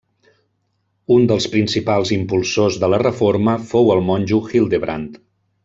Un dels principals impulsors de la reforma fou el monjo Hildebrand.